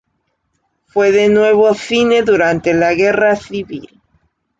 Fue de nuevo cine durante la guerra civil.